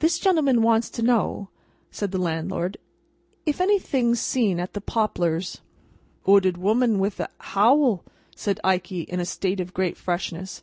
"This gentleman wants to know," said the landlord, "if anything's seen at the Poplars." "'Ooded woman with a howl," said Ikey, in a state of great freshness.